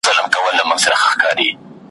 نګهبان مي د ناموس دی زما د خور پت په ساتلی `